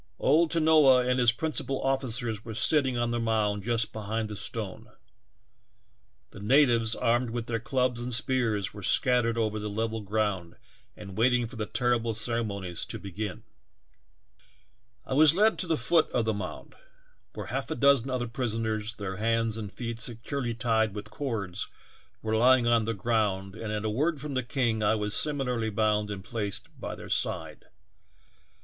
Old Tanoa and his princi pal officers were sitting on the mound just behind 5G THE TALKING IIANDKEKCIIIEE. the stone ; the natives, armed with their spears, were seattered over the level gr waiting for the ter rible eereinonies to begin. " I was led to the foot of the mound, where half a dozen other prisoners, their hands and feet seeurely tied with eords, were lying on the ground and at a word from the king I was similarly bound and placed by their side.